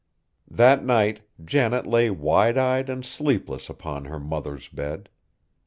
That night Janet lay wide eyed and sleepless upon her mother's bed.